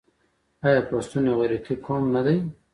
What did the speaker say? آیا پښتون یو غیرتي قوم نه دی؟